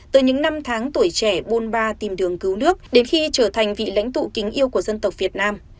từ những năm tháng tuổi trẻ bôn ba tìm đường cứu nước đến khi trở thành vị lãnh tụ kính yêu của dân tộc việt nam